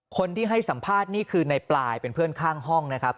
คนที่ให้สัมภาษณ์นี่คือในปลายเป็นเพื่อนข้างห้องนะครับ